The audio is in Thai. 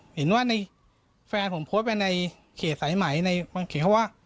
เห็นว่าในแฟนผมโพสต์ไว้ในเขตสายไหมในบางเขตเขาว่า